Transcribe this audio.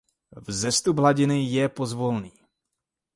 Vzestup hladiny je pozvolný.